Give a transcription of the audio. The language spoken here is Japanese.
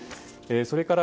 それから、